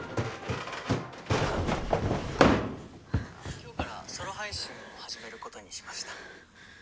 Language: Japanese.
「今日からソロ配信を始めることにしました」